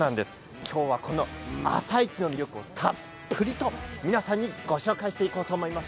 今日はこの朝市の魅力をたっぷりと皆さんにご紹介していこうと思います。